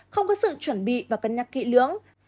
không có sự chuẩn bị và cân nhắc kỹ lưỡng